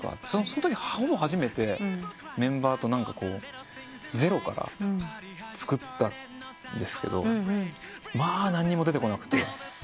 そのときほぼ初めてメンバーとゼロから作ったんですけどまあ何にも出てこなくて。